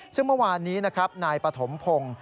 ซึ่งเมื่อวานนี้นะครับนายปฐมพงศ์